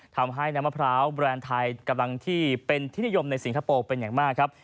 ทำให้น้ำมะพร้าวแบรนด์ไทยกำลังที่เป็นที่นิยมในสิงคโปร์เป็นอย่างมากครับ